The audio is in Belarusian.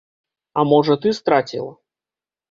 А можа, ты страціла?